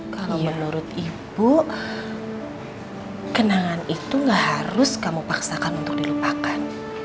kalau menurut ibu kenangan itu gak harus kamu paksakan untuk dilupakan